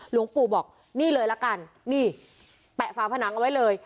หลวงปู่บอกนี่เลยละกันนี่แปะฝาผนังเอาไว้เลย